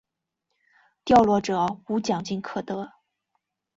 掉落者无奖金可得。